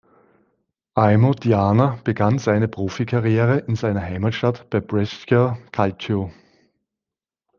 Aimo Diana begann seine Profikarriere in seiner Heimatstadt bei Brescia Calcio.